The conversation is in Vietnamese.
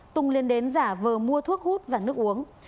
tùng liên đến giả vờ mua thuốc hút và nước uống